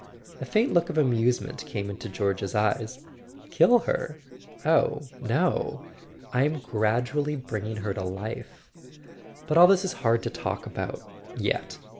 A faint look of amusement came into George's eyes. "Kill her? Oh, no. I'm gradually bringing her to life. But all this is hard to talk about—yet.